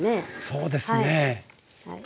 そうですね。